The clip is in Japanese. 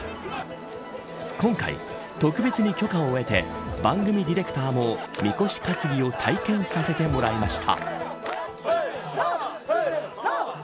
今回、特別に許可を得て番組ディレクターもみこし担ぎを体験させてもらいました。